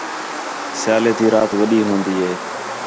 سیالے تی رات وݙی ہون٘دی ہِے